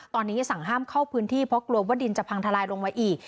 ตอนนี้สั่งห้ามเข้าพื้นที่เพราะกลัวว่าดินจะพังทลายลงมาอีก